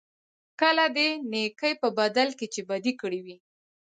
لکه د نېکۍ په بدل کې چې بدي کړې وي.